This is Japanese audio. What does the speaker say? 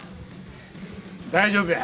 大丈夫か。